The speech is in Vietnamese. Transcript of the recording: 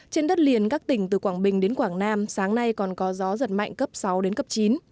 trên đất liền các tỉnh từ quảng bình đến quảng nam sáng nay còn có gió giật mạnh cấp sáu đến cấp chín